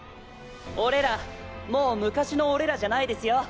俺らもう昔の俺らじゃないですよ。